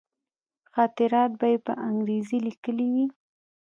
خاطرات به یې په انګرېزي لیکلي وي.